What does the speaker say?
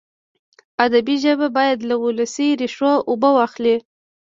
ادبي ژبه باید له ولسي ریښو اوبه واخلي.